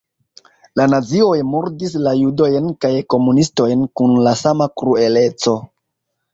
La nazioj murdis la judojn kaj komunistojn kun la sama krueleco.